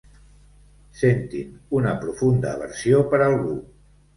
Sentin una profunda aversió per algú.